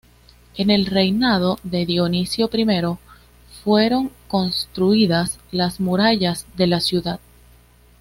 En el reinado de Dionisio I, fueron construidas las murallas de la ciudad.